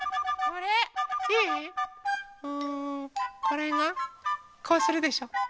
これがこうするでしょ。